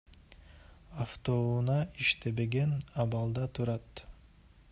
Автоунаа иштебеген абалда турат.